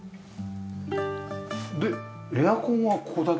でエアコンはここだけ？